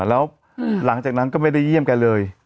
แล้วหลังจากนั้นก็ไม่ได้เยี่ยมกันเลย